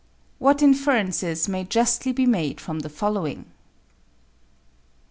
What inferences may justly be made from the following?